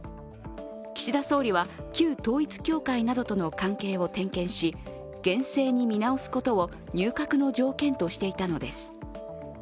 岸田総理は旧統一教会などとの関係を点検し厳正に見直すことを入閣の条件としていたのです。